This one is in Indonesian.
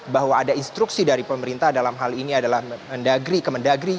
bahwa ada instruksi dari pemerintah dalam hal ini adalah mendagri kemendagri